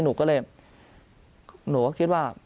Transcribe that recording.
หนูก็เลยหนูก็คิดว่า